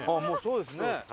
もうそうですね。